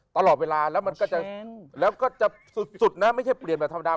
ตลอดเวลาแล้วมันก็จะแล้วก็จะสุดนะไม่ใช่เปลี่ยนแบบธรรมดา